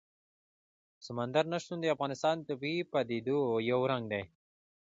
سمندر نه شتون د افغانستان د طبیعي پدیدو یو رنګ دی.